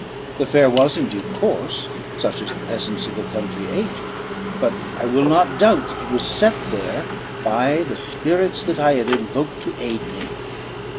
The fare was, indeed, coarse, such as the peasants of the country ate; but I will not doubt that it was set there by the spirits that I had invoked to aid me.